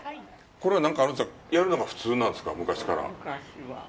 これは、何か、あれですか、やるのが普通なんですか、昔から。